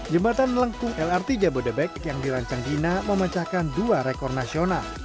jembatan lrt jabodetabek yang dirancang dina memencahkan dua rekor nasional